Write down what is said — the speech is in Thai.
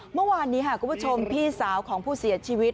เมื่อวานนี้ค่ะคุณผู้ชมพี่สาวของผู้เสียชีวิต